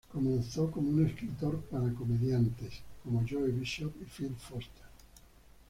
Comenzó como un escritor para comediantes, como Joey Bishop y Phil Foster.